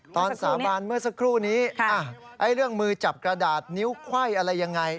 สาบานเมื่อสักครู่นี้เรื่องมือจับกระดาษนิ้วไขว้อะไรยังไง